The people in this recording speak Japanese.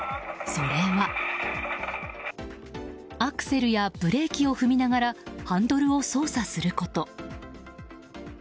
それは、アクセルやブレーキを踏みながらハンドルを操作すること。